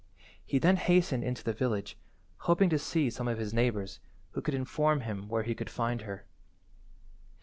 He then hastened into the village, hoping to see some of his neighbours, who could inform him where he could find her.